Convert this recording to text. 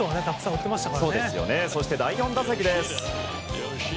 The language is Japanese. そして第４打席です。